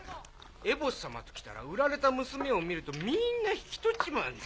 エボシ様ときたら売られた娘を見るとみんな引き取っちまうんだ。